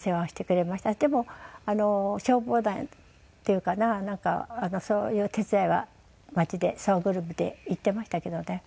でも消防団っていうかななんかそういう手伝いは町で総ぐるみで行ってましたけどね。